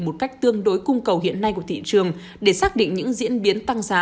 một cách tương đối cung cầu hiện nay của thị trường để xác định những diễn biến tăng giá